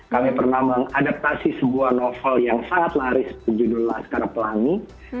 kami pernah mengadaptasi sebuah novel yang sangat laris berjudul laskar pelangi